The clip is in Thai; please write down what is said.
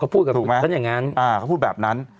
ถูกเขาพูดแบบนั้น